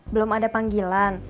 belum ada panggilan